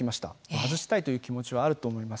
外したいという気持ちはあると思います。